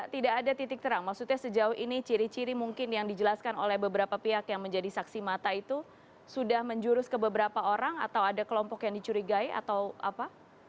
tidak ada titik terang maksudnya sejauh ini ciri ciri mungkin yang dijelaskan oleh beberapa pihak yang menjadi saksi mata itu sudah menjurus ke beberapa orang atau ada kelompok yang dicurigai atau apa